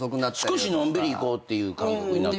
少しのんびりいこうっていう感覚になってるよね。